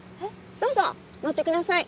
どうぞ乗ってください。